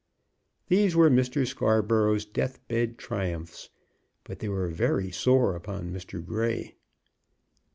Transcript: These were Mr. Scarborough's death bed triumphs; but they were very sore upon Mr. Grey.